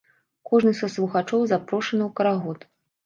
Кожны са слухачоў запрошаны ў карагод!